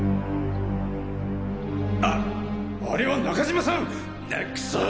ああれは中島さんクソッ！